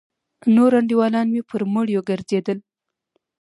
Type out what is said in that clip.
نور انډيوالان مې پر مړيو گرځېدل.